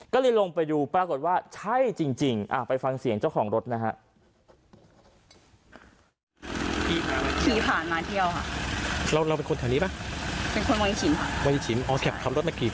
ก็เลยลงไปดูปรากฏว่าใช่จริงไปฟังเสียงเจ้าของรถนะฮะ